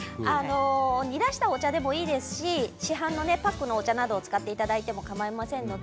煮出したお茶でもいいですし市販のパックのお茶を使っていただいてもかまいません。